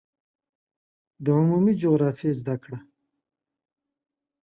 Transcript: د عمومي جغرافیې زده کړه